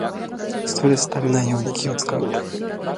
ストレスためないように気をつかう